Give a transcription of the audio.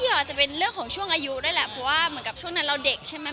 อาจจะเป็นเรื่องของช่วงอายุด้วยแหละเพราะว่าเหมือนกับช่วงนั้นเราเด็กใช่ไหม